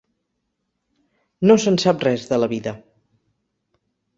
No se'n sap res de la vida.